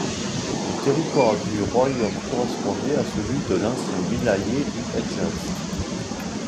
Le territoire du royaume correspondait à celui de l'ancien vilayet du Hedjaz.